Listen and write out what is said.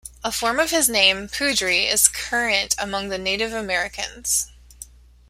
A form of his name, "Poodry," is current among the Native Americans.